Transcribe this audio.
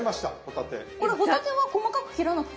これ帆立ては細かく切らなくて。